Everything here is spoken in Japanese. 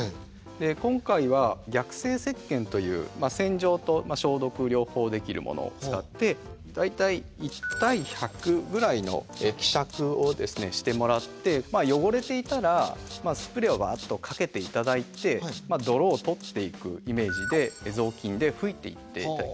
今回は逆性せっけんという洗浄と消毒両方できるものを使って大体１対１００ぐらいの希釈をですねしてもらって汚れていたらスプレーをワッとかけて頂いて泥を取っていくイメージでぞうきんで拭いていって。